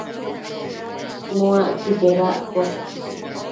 Nuacquid bedaccosh